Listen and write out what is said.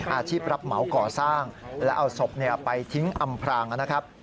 อาชีพรับเหมาก่อสร้างและเอาศพไปทิ้งอำพรางนะครับ